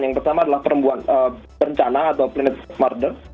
yang pertama adalah perempuan berencana atau planet murder